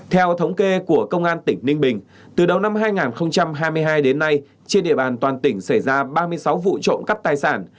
theo thống kê của công an tỉnh ninh bình từ đầu năm hai nghìn hai mươi hai đến nay trên địa bàn toàn tỉnh xảy ra ba mươi sáu vụ trộm cắp tài sản